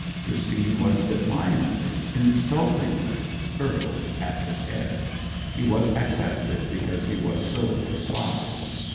Christine was defiantly insultingly hurled at his head. He was accepted because he was so despised.